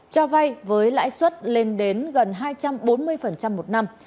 cho vay với lãi suất lên đến gần hai trăm bốn mươi một năm